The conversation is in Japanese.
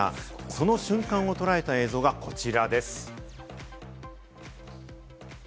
その瞬間を捉えた映像がこちらです。